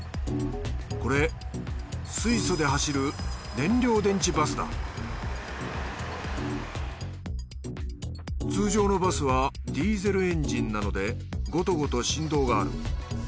これ水素で走る通常のバスはディーゼルエンジンなのでゴトゴト振動がある。